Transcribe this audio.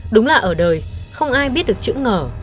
đúng là ở đời không ai biết được chữ ngỏ